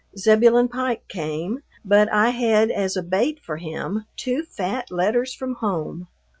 Zebulon Pike came, but I had as a bait for him two fat letters from home.